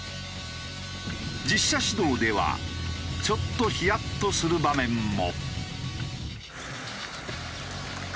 実車指導ではちょっとヒヤッとする場面も。